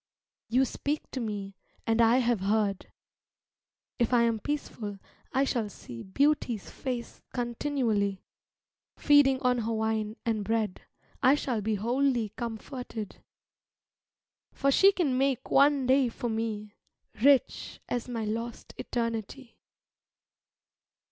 You speak to me and I have heard: If I am peaceful, I shall see Beauty's face continually; Feeding on her wine and bread I shall be wholly comforted, For she can make one day for me Rich as my lost eternity.